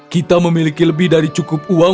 kita memiliki lebih dari cukup uang